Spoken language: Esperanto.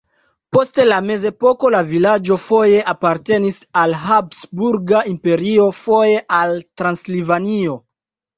Post la mezepoko la vilaĝo foje apartenis al Habsburga Imperio, foje al Transilvanio.